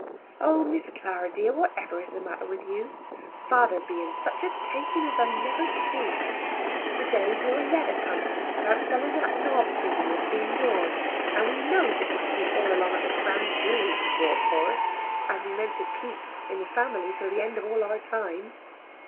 Oh Miss Clara dear, what ever is the matter with you? Father be in such a taking I never see. To day your letter come about selling that knob thing of Beany Dawe's, and we knows it must be all along of the crown jewels you bought for us, as we meant to keep in the family to the end of all our time.